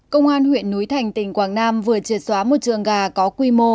công an huyện núi thành tỉnh quảng nam vừa triệt xóa một trường gà có quy mô